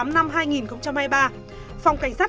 năm hai nghìn hai mươi ba phòng cảnh sát